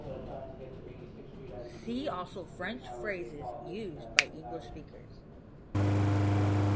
See also French phrases used by English speakers.